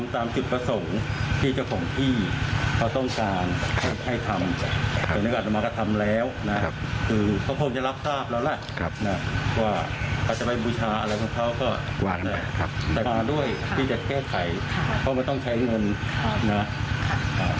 ท่านส่องพวงทั้งส่องขวายเชื่อในสิ่งที่เชื่อเช่นเจ้าที่เจ้าทางเราก็ต้องเชื่อถึงบ้าง